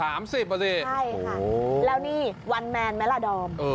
๓๐อ่ะสิใช่ค่ะแล้วนี่วันแมนแมล่าดอม